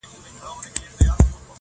روڼي سترګي کرۍ شپه په شان د غله وي،